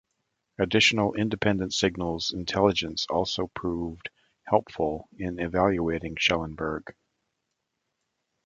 Additional independent signals intelligence also proved helpful in evaluating Schellenberg.